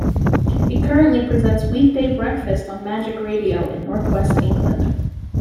He currently presents weekday breakfast on Magic Radio in North West England.